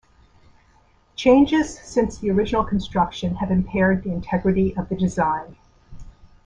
Changes since the original construction have impaired the integrity of the design.